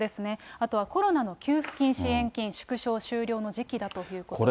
あとはコロナの給付金、支援金、縮小、終了の時期だということです。